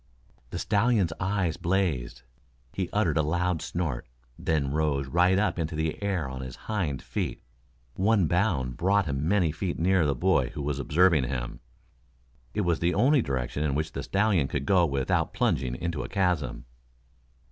The stallion's eyes blazed. He uttered a loud snort, then rose right up into the air on his hind feet. One bound brought him many feet nearer the boy who was observing him. It was the only direction in which the stallion could go without plunging into a chasm.